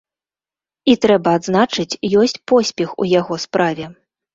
І трэба адзначыць, ёсць поспех у яго справе.